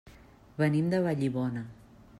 Venim de Vallibona.